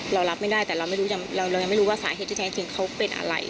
เรารับไม่ได้แต่เรายังไม่รู้ว่าสาเหตุที่แท้จริงเขาเป็นอะไร